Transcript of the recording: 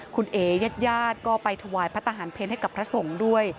คุณเอ๋ญาติญาติก็ไปถวายพระทหารเพลให้กับพระสงฆ์ด้วย